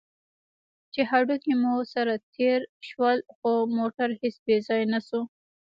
چې هډوکي مو سره تېر شول، خو موټر هېڅ بې ځایه نه شو.